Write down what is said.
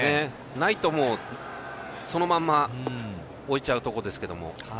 ないと、そのまんま置いちゃうところですけれども。